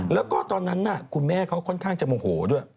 แล้วก็ตอนนั้นคุณแม่เขาค่อนข้างจะโมโหด้วย